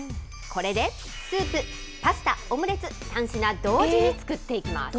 これでスープ、パスタ、オムレツ、３品同時に作っていきます。